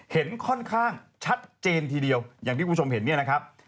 เห็นค่อนข้างชัดเจนทีเดียวอย่างที่คุณผู้ชมเห็นเนี่ยนะครับ